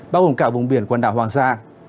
bao gồm cả vùng biển quần đảo hoàng sa